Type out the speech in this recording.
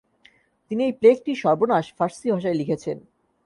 তিনি এই প্লেগটির সর্বনাশ ফার্সী ভাষায় লিখেছেন।